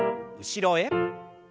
後ろへ。